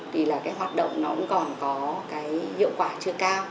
thì là cái hoạt động nó cũng còn có cái hiệu quả chưa cao